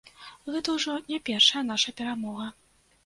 Гэта ўжо не першая наша перамога.